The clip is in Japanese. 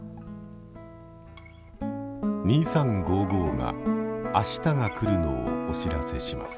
「２３」が明日が来るのをお知らせします。